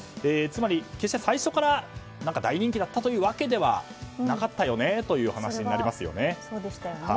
つまり、決して最初から大人気だったわけではなかったよねという話になりますよね。